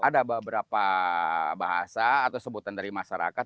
ada beberapa bahasa atau sebutan dari masyarakat